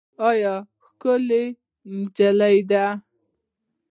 اې ښکلې نجلۍ